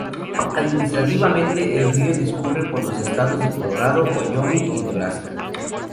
Administrativamente, el río discurre por los estados de Colorado, Wyoming y Nebraska.